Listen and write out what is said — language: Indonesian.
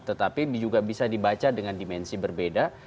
tetapi juga bisa dibaca dengan dimensi berbeda